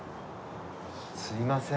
すいません。